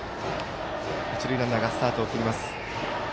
一塁ランナーがスタートをきります。